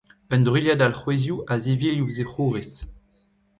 Un druilhad alc'hwezioù a-zivilh ouzh e c'houriz.